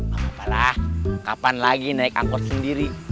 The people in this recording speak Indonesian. gapalah kapan lagi naik anggot sendiri